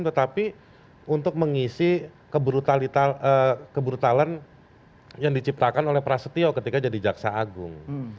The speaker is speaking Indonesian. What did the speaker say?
tetapi untuk mengisi kebrutalan yang diciptakan oleh prasetyo ketika jadi jaksa agung